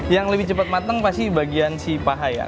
yang lebih cepat matang pasti bagian si paha ya